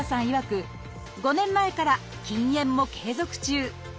いわく５年前から禁煙も継続中。